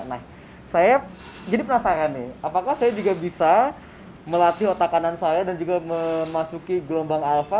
nah saya jadi penasaran nih apakah saya juga bisa melatih otak kanan saya dan juga memasuki gelombang alfa